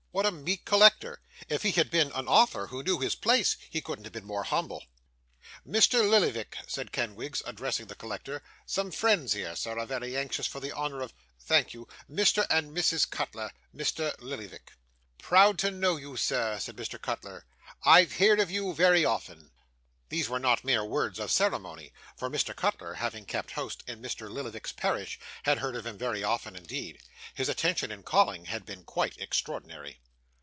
What a meek collector! If he had been an author, who knew his place, he couldn't have been more humble. 'Mr. Lillyvick,' said Kenwigs, addressing the collector, 'some friends here, sir, are very anxious for the honour of thank you Mr. and Mrs Cutler, Mr. Lillyvick.' 'Proud to know you, sir,' said Mr. Cutler; 'I've heerd of you very often.' These were not mere words of ceremony; for, Mr. Cutler, having kept house in Mr. Lillyvick's parish, had heard of him very often indeed. His attention in calling had been quite extraordinary.